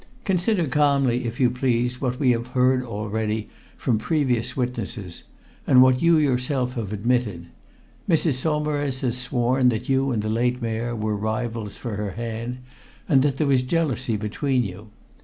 "Consider calmly, if you please, what we have heard already, from previous witnesses, and what you yourself have admitted. Mrs. Saumarez has sworn that you and the late Mayor were rivals for her hand and that there was jealousy between you.